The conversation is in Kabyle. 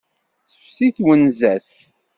Tefsi twenza-s.